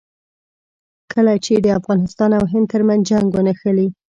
کله چې د افغانستان او هند ترمنځ جنګ ونښلي.